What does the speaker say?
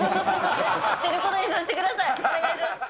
知ってることにさせてください、お願いします。